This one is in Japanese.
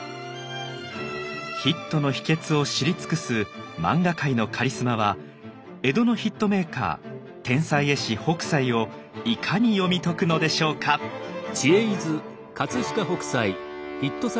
ヒットの秘訣を知り尽くす漫画界のカリスマは江戸のヒットメーカー天才絵師北斎をいかに読み解くのでしょうか？ということですね。